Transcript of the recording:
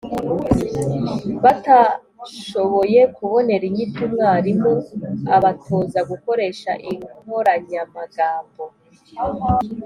batashoboye kubonera inyito umwarimu abatoza gukoresha inkoranyamagambo